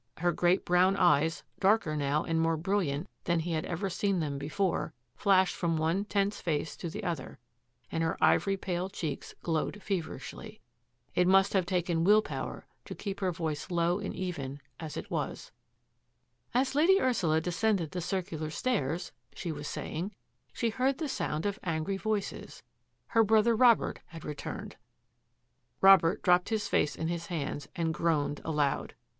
Her great brown eyesy darker now and more brilliant than he had ever seen them before, flashed from one tense face to the other, and her ivory pale cheeks glowed feverishly. It must have taken will power to keep her voice low and even as it was. " As Lady Ursula descended the circular stairs," she was saying, ^^ she heard the sound of angry voices. Her brother Robert had returned." Robert dropped his face in his hands and groaned aloud.